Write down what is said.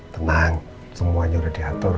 tenang semuanya udah diatur